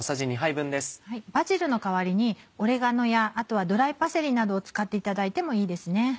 バジルの代わりにオレガノやあとはドライパセリなどを使っていただいてもいいです。